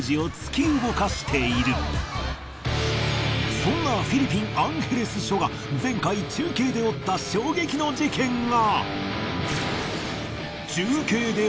そんなフィリピンアンヘレス署が前回中継で追った衝撃の事件が。